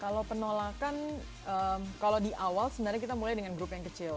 kalau penolakan kalau di awal sebenarnya kita mulai dengan grup yang kecil